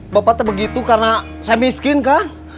bapak te begitu karena saya miskin kan